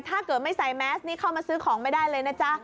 ถ้าเกิดไม่ใส่แมสนี่เข้ามาซื้อของไม่ได้เลยนะจ๊ะ